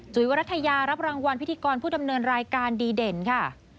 วรัฐยารับรางวัลพิธีกรผู้ดำเนินรายการดีเด่นค่ะ